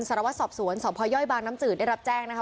สารวัตรสอบสวนสพย่อยบางน้ำจืดได้รับแจ้งนะคะ